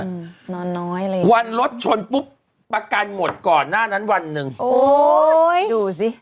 อืมนอนน้อยเลยวันรถชนปุ๊บประกันหมดก่อนหน้านั้นวันหนึ่งโอ้ยดูสิ